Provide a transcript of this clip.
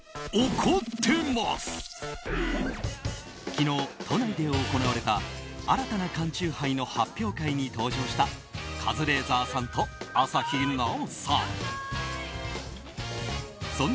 昨日、都内で行われた新たな缶酎ハイの発表会に登場したカズレーザーさんと朝日奈央さん。